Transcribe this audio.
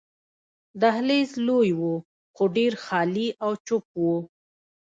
دهلېز لوی وو، خو ډېر خالي او چوپ وو.